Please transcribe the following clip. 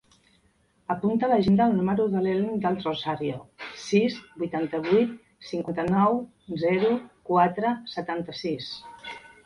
Apunta a l'agenda el número de l'Elm Del Rosario: sis, vuitanta-vuit, cinquanta-nou, zero, quatre, setanta-sis.